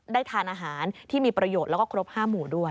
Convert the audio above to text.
ทานอาหารที่มีประโยชน์แล้วก็ครบ๕หมู่ด้วย